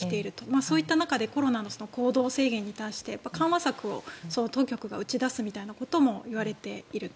そういった中でコロナの行動制限に関して緩和策を当局が打ち出すみたいなことも言われていると。